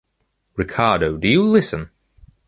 Ricardo, do you listen?